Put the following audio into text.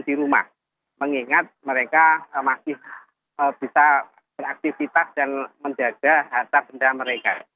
di rumah mengingat mereka masih bisa beraktivitas dan menjaga harta benda mereka